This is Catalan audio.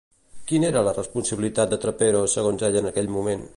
Quina era la responsabilitat de Trapero segons ell en aquell moment?